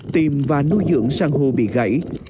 tìm và nuôi dưỡng săn hô bị gãy